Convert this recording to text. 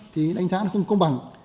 thì đánh giá nó không công bằng